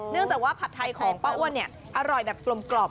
เนื่องจากว่าผัดไทยของป้าอ้วนเนี่ยอร่อยแบบกลม